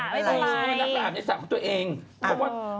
พี่อ้ามอับในสระไวน้ำตัวใหม่